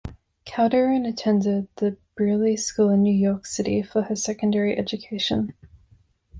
Calderone attended the Brearley School in New York City for her secondary education.